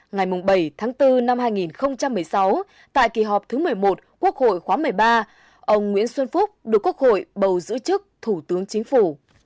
ngày bảy tháng bốn năm hai nghìn một mươi sáu tại kỳ họp thứ một mươi một quốc hội khóa một mươi ba ông nguyễn xuân phúc được quốc hội bầu giữ chức thủ tướng chính phủ